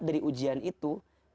dari ujian itu